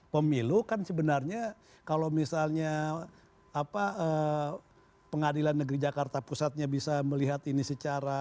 pemilu kan sebenarnya kalau misalnya pengadilan negeri jakarta pusatnya bisa melihat ini secara